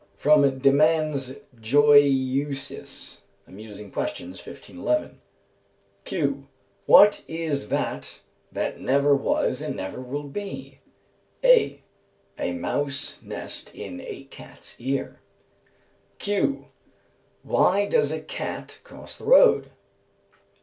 From "Demandes Joyeuses" (amusing questions), 1511: "Q. What is that that never was and never will be? "A. A mouse nest in a cat's ear. "Q. Why does a cat cross the road?